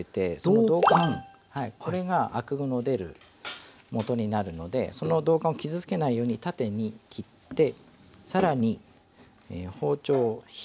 はいこれがあくの出るもとになるのでその道管を傷つけないように縦に切って更に包丁を引いて切ります。